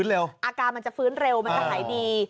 อาการมันจะฟื้นเร็วมันจะหายดี